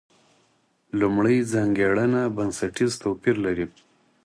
لومړۍ ځانګړنه بنسټیز توپیر لري.